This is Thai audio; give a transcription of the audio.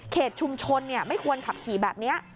เขตชุมชนเนี่ยไม่ควรขับขี่แบบนี้